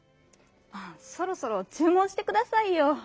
そろそろちゅう文してくださいよ。